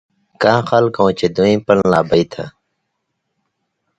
کاں خلکؤں چے دوییں پن لا بئ تھہ